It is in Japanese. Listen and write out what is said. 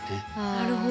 なるほど。